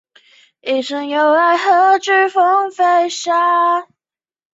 以下会用组合论述来证明。